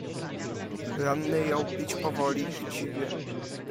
"Ranny jął pić powoli, chciwie."